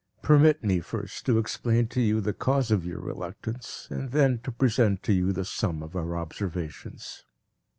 Permit me first to explain to you the cause of your reluctance and then to present to you the sum of our observations.